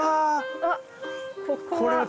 あっここは。